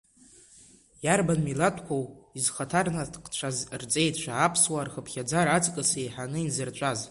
Иарбан милаҭқәоу изхаҭарнакцәаз рҵеицәа аԥсуаа рхыԥхьаӡара аҵкыс еиҳаны инзырҵәаз?